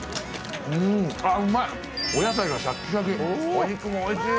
お肉もおいしい。